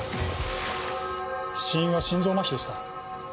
死因は心臓麻痺でした。